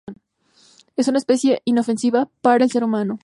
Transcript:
Es una especie inofensiva para el ser humano.